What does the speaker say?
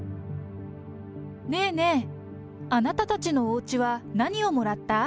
ねえねえ、あなたたちのおうちは何をもらった？